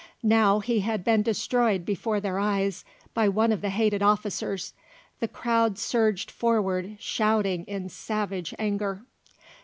Now he had been destroyed before their eyes by one of the hated officers. The crowd surged forward shouting in savage anger.